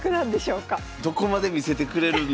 どこまで見せてくれるんでしょうかね。